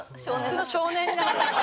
普通の少年になっちゃった。